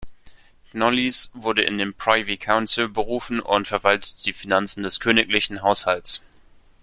Knollys wurde in den Privy Council berufen und verwaltete die Finanzen des königlichen Haushalts.